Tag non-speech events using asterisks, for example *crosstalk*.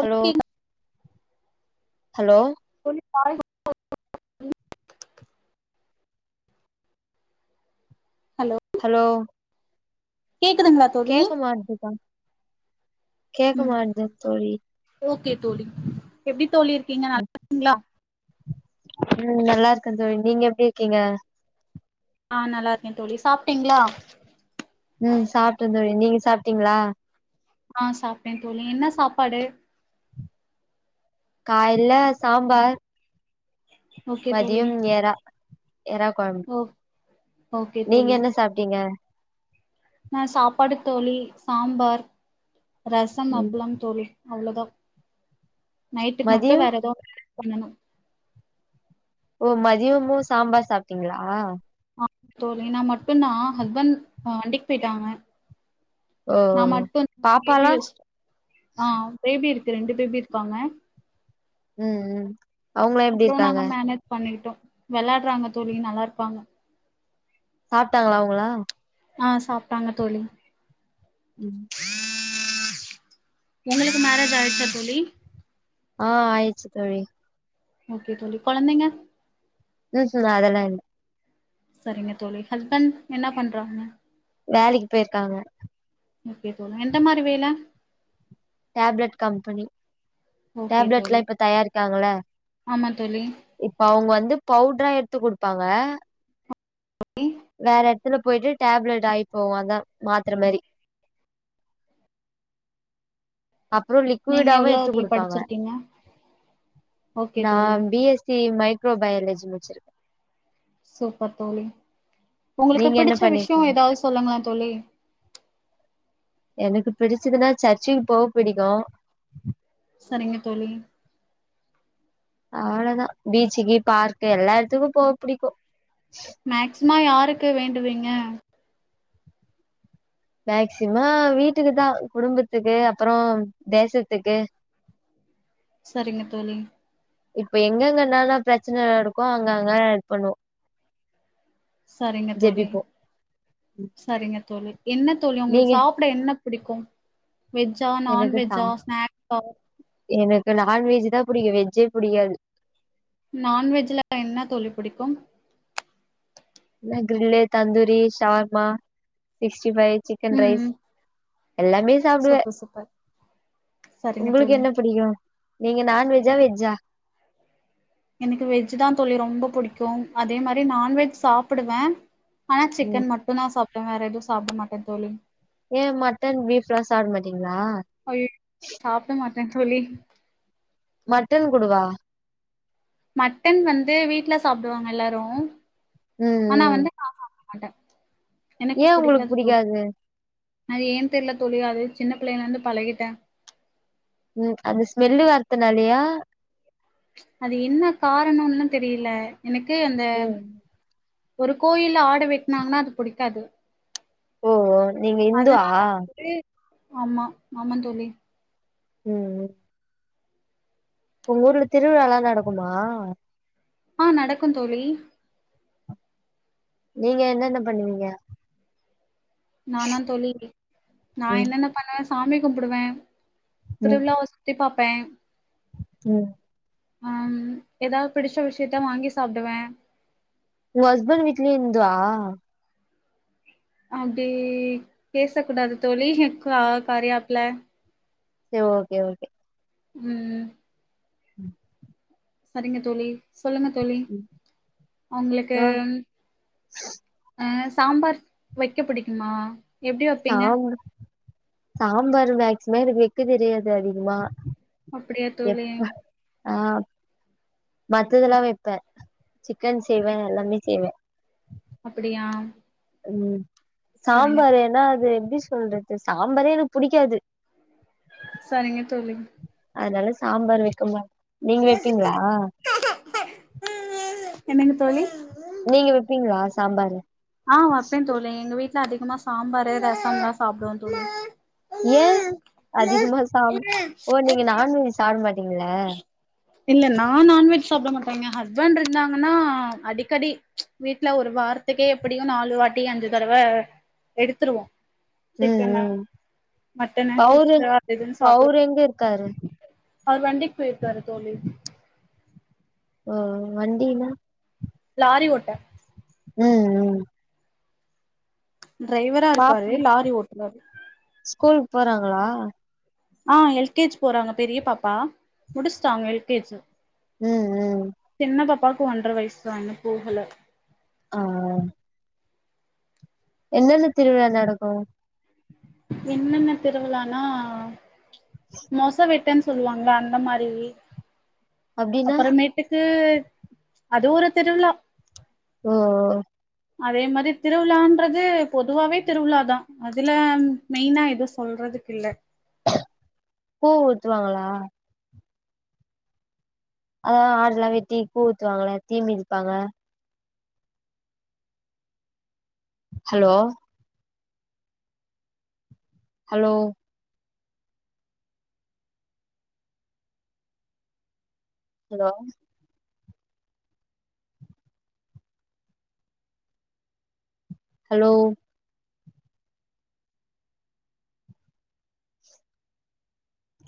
Hello hello சொல் *unintelligible* hello கேக்குதுங்களா தோழி கேக்கு ம் மாட்து தோழி ஓகே தோழி எப்படி தோழி இருக்கீங்க நல்லா இருக்கீங்களா கந்துவேன் நீங்க எப்படிருக்கீங்க ஆஹ் நல்லா இருக்கேன் தோழி சாப்பட்டீங்களா ம் சாப்டே தோழி நீங்க சாப்பிட்டீங்களா ஆ சாப்டேன் தோழி என்ன சாப்பாடு காலைல சாம்பார் ஓகே தோழி மதியம் எறா எறா குழம்பு ஓ ஓகே நீங்க என்ன சாப்பிட்டீங்க ஆ சாப்பாடு தோழி சாம்பார் ரசம் ம் அப்ளம் தோழி அவ்ளோதா நைட்டுக்கு மட்டு மதியோ வேற ஏது பண்ணணு ஓ மதியமு சாம்பார் சாப்ட்டீங்களா ஆ *unintelligible* நா மட்டும்தா ஹஸ்பண்ட் வண்டிக்கு போயிட்டாங்க ஓ நா மட்டு பேபி பாப்பாலா வச்சுடு ஆஹ் பேபி இருக் ரெண்டு பேபி இருக்காங்க ம் ம் அவங்களா எப்டி அப்றோ இருக்காங்க நாங்க மேனேஜ் பண்ணிட்டோம் வெளாடுறாங்க தோழி நல்லா இருக்காங்க சாப்ட்டாங்களா அவுங்களா ஆ சாப்டாங்க தோழி உங்களுக்கு மேரேஜ் ஆயிடுச்சா தோழி ஆ ஆயிருச்சு தோழி ஓகே தோழி கொழந்தைங்க *unintelligible* அதெல்லா இல்ல சரிங்க தோழி ஹஸ்பண்ட் என்ன பண்றாங்க வேலைக்கு போயிருக்காங்க ஓக்கே தோழி எந்த மாரி வேல டேப்லெட் கம்பெனி ஓகே டேப்லெட் தோழி எல்லா இப்ப தயாரிக்காங்கள ஆமா தோழி இப்ப அவுங்க வந்து பவுட்ரா எடுத்து குடுப்பாங்க வேற எடத்துல போயிட்டு டேப்லெட் ஆயி போவாங்க மாத்திர மாரி அப்புறோ நீங்க லிக்விடாவு எவ்ளோ எத்து தோழி குடுப்பாங்க படிச்சிருக்கீங்க ஓகே நா தோழி B S C mic microbiology முடிச்சிருக்க சூப்பர் தோழி உங்களுக்கு நீங்க என்ன பிடிச்ச விஷியம் பண்ணிருக்கீங்க ஏதாவது சொல்லுங்களே தோழி எனக்கு பிடிச்சதுன்னா சர்ச்சுக்கு போவ பிடிக்கு நீங்க தோழி அவ்ளாதா பீச்சுக்கு பார்க்கு எல்லா எடத்துக்கு போவ புடிக்கு மேக்சிம யார் *unintelligible* வேண்டுவீங்க மேக்சிம வீட்டுக்குதா குடும்பத்துக்கு அப்புறோ தேசத்துக்கு சரிங்க தோழி இப்ப எங்கங்கனளா பிரச்சன நடக்கு அங்க அங்க *unintelligible* சரிங்க தோழி சரிங்க தோழி என்ன தோழி உங்களுக்கு நீங்க சாப்ட என்ன பிடிக்கு எனக்கு எனக்கு நான்வஜ் தா புடிக்கு வெஜ்ஜே புடிக்காது நான்வெஜ்ல என்ன தோழி புடிக்கு grill tandoori shawarma fish veg fry chicken rice ம் எல்லாமே சாப்பிடுவே சூப்பர் சூப்பர் சரிங்க உங்களுக்கு தோழி என்ன புடிக்கு நீங்க நான்வெஜ்ஜா வெஜ்ஜா எனக்கு வெஜ் தா. தோழி ரொம்ப புடிக்கும் அதே மாரி நான்வெஜ் சாப்டுவே ஆனா ம் சிக்கன் மட்டு தா சாப் வேற எது சாப்ட மாட்டே தோழி ஏ மட்டன் பீப்ல சாப்ட மாட்டீங் ஐ சாப்பிட மாட் தா தோழி மட்டன் குடுவா மட்டன் வந்து வீட்ல சாப்டுவாங்க எல்லாரும் ஆனா வந்து *inaudible* அட ஏன் உங்ளுக்கு புடிக்காது அது ஏன் தெரில தோழி அது சின்ன பிள்ளைலருந்து பழகிட்டே உம் அந்த ஸ்மெல்லு வரத்துனாலையா? அது என்ன காரணனு தெரில எனக்கு அந்த ம் ஒரு கோயில்ல ஆடு வெட்னாங்கனா அது புடிக்காது ஓ நீங்க இந்துவா அதனால வந்து ஆமா ஆமா தோழி ம் ஒங்க ஊர்ல திருவிழாலா நடக்குமா? ஆஹ் நடக்கு தோழி நீங்க என்னென்ன பண்ணுவிங்க நானா தோழி நா ம் என்னென்ன பண்ணுவே ச சாமி கும்பிடுவே ம் த்ருவிழாவ சுத்தி பாப் பே ம் ஆஹ்ம் எதாவது பிடிச்ச விஷயத்த வாங்கி சாப்டுவே ஒங்க ஹஸ்பண்ட்டு வீட்ல இருந்தா அப்டி பேசக்கூடாது தோழி க கரியாப்ல சே ஓகே ஓகே உம் ம் ம் சரிங்க தோழி சொல்லுங்க தோழி அவங்களுக்கு ஆ அஸ் சாம்பார் வைக்க புடிக்குமா? எப்டி வப்பிங்க? சாம்பார் சாம்பார் மேக்சிம எனக்கு வெக்க தெரியாது அதிகமா. அப்டியா தோழி ஆஹ் மத்ததெல்லா சரி வெப்ப, சிக்கன் செய்வ சரிங்க தோழி எல்லாமே செய்வ அப்டியா உம் சரிங்க சாம்பார் ஏனா அது எப்டி சொல்றது சாம்பாரே எனக்கு புடிக்காது சரிங்க தோழி அதனால சாம்பாரு வெக்க மாட் நீங்க வெப்பீங்களா என்னங்க தோழி நீங்க வெப்பீங்ளா சாம்பாரு ஆ வப்பே தோழி எங்க வீட் ட்ல அதிகமா சாம்பாரு ரசம்தா சாப்டுவோ தோழி ஏன் அதிகமா சாப்ப ஓ நீங்க நான்வெஜ் சாப்பிட மாட் அப்டிங்களா இல்ல நா நான்வெஜ் சாப்பட மாட்டேங்க ஹஸ்பண்ட் இருந்தாங்கன்னா அடிக்கடி வீட்டுல ஒரு வாரத்துக்கே எப்படியு நாலு வாட்டி அஞ்சு தடவ எடுத்துருவோ ம் சிக்கனா ம் மட்டனா அவரு பிஷ்ஷா அது எது சாப்பட அவரு எங்க இருக்காரு அவ்ரு வண்டிக் போய்ர்காரு தோழி ஹா வண்டினா லாரி ஓட்ட உம் உம் டிரைவரா இருக்காரு பாப்பா லாரி ஓட்றாரு லா ஆஹ் எல் கே ஜி போறாங்க பெரிய பாப்பா முடிச்ட்டாங்க எல் கே ஜி ம் ம் சின்ன பாப்பா பூ ஒன்ற வயசுதா இன்னு போகல ஆஹ் என்னென்ன திருவிழா நடக்கு என்னன்ன திருவிழானா மோசா வெட் ட்டன் சொல்லுவாங்கல அந்த மாரி அப்டின்னா அப்பற மேட்டுக்கு அது ஒரு திருவிழா ஓ ஓ அதே மாரி திருவிழான்றதே பொதுவாவே திருவிழா தா அதுல மெய்னா எது சொல்றதுக்கில்ல பூ ஊத்துவாங்களா அஹ் ஆடுலா வெட்டி கூழ் ஊத்துவாங்கள தீ மதிப்பாங்க ஹலோ ஹலோ ஹலோ ஹலோ